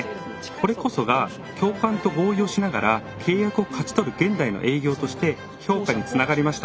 これこそが共感と合意をしながら契約を勝ち取る現代の営業として評価につながりました。